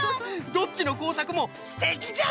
どっちのこうさくもすてきじゃぞ！